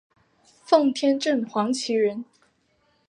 奉天正黄旗人。